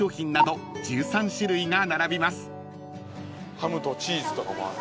ハムとチーズとかもある。